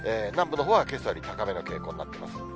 南部のほうはけさより高めの傾向になっています。